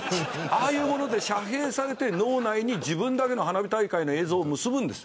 遮蔽されて脳内に自分だけの花火大会の映像を結ぶんです。